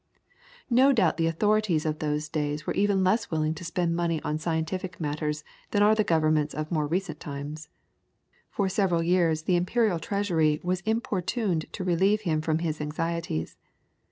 No doubt the authorities of those days were even less willing to spend money on scientific matters than are the Governments of more recent times. For several years the imperial Treasury was importuned to relieve him from his anxieties.